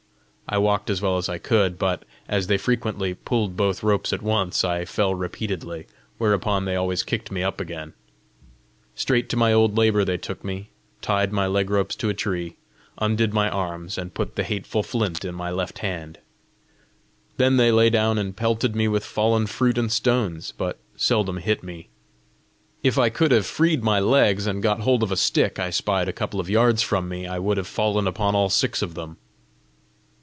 I walked as well as I could, but, as they frequently pulled both ropes at once, I fell repeatedly, whereupon they always kicked me up again. Straight to my old labour they took me, tied my leg ropes to a tree, undid my arms, and put the hateful flint in my left hand. Then they lay down and pelted me with fallen fruit and stones, but seldom hit me. If I could have freed my legs, and got hold of a stick I spied a couple of yards from me, I would have fallen upon all six of them!